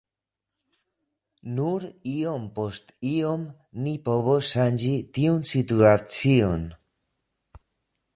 Nur iom post iom ni povos ŝanĝi tiun situacion.